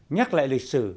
nhắc lại lịch sử